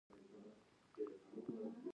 د سینې بغل لپاره د تورې دانې تېل په سینه ومښئ